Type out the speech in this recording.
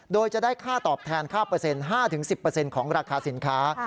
โดยจะได้ค่าตอบแทนค่าเปอร์เซ็นต์๕๑๐ของราคาสินค้า